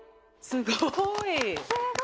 すごい！